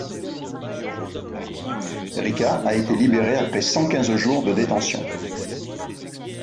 Rika a été libérée après cent quinze jours de détention.